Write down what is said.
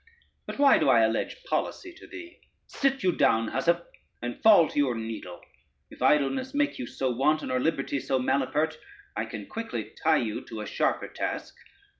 But why do I allege policy to thee? Sit you down, housewife, and fall to your needle: if idleness make you so wanton, or liberty so malapert, I can quickly tie you to a sharper task.